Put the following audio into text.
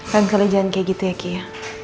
kan kelejahan kayak gitu ya kia